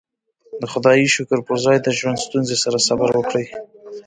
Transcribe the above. د خدايې شکر پر ځای د ژوند ستونزې سره صبر وکړئ.